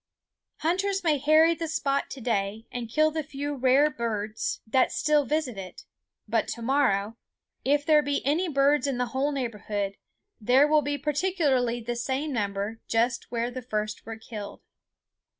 Hunters may harry the spot to day and kill the few rare birds that still visit it; but to morrow, if there be any birds in the whole neighborhood, there will be practically the same number just where the first were killed.